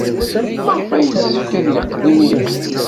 Maɣef ay yessefk ad yeqqel imir-a?